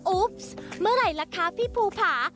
อุ๊ปซ์เมื่อไรล่ะคะพี่ภูภา